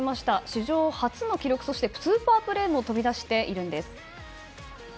史上初の記録そしてスーパープレーも飛び出しているんです。